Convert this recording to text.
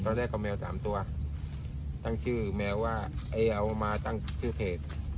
แรกก็แมวสามตัวตั้งชื่อแมวว่าไอ้เอามาตั้งชื่อเพจ